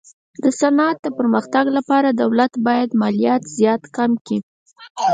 د صنعت د پرمختګ لپاره دولت باید مالیات زیات کم کي.